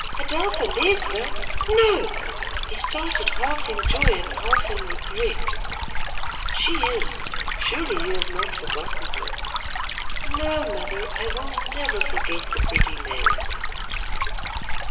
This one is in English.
"Adelpha Leisler! No " He started, half in joy and half in regret. "She is. Surely, you have not forgotten her." "No, mother. I will never forget the pretty maid."